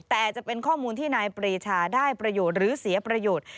แต่จะเป็นข้อมูลที่นายปรีชาได้ประโยชน์หรือเสียประโยชน์